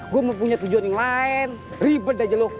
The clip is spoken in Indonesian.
gue mau punya tujuan yang lain ribet aja lu